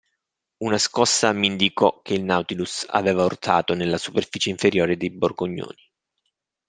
Una scossa mi indicò che il Nautilus aveva urtato nella superficie inferiore dei borgognoni.